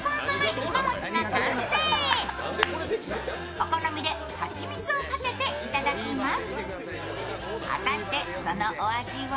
お好みで蜂蜜をかけていただきます。